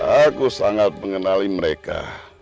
aku sangat mengenali mereka